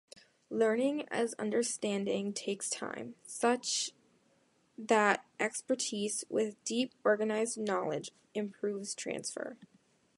Learning as understanding takes time, such that expertise with deep, organized knowledge improves transfer.